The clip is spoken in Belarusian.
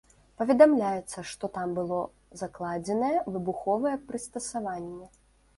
Паведамляецца, што там было закладзенае выбуховае прыстасаванне.